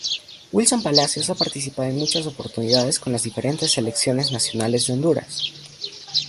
Wilson Palacios ha participado en muchas oportunidades con las diferentes selecciones nacionales de Honduras.